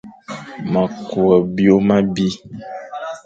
Ma kw byôm abi.